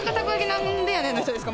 何でやねんの人ですか？